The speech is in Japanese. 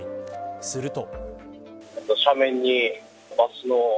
すると。